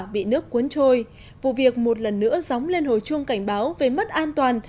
bị nước cuốn trôi vụ việc một lần nữa dóng lên hồi chuông cảnh báo về mất an toàn